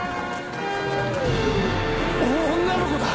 女の子だ！